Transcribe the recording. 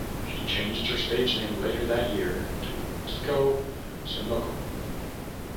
She changed her stage name later that year to Keiko Sonoko.